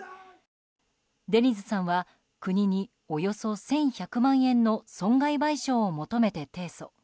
デニズさんは国におよそ１１００万円の損害賠償を求めて提訴。